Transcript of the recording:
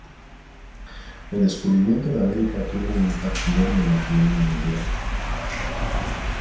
El descubrimiento de América tuvo un impacto enorme en la economía mundial.